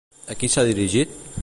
A qui s'ha dirigit?